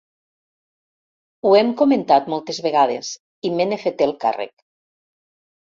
Ho hem comentat moltes vegades i me n'he fet el càrrec.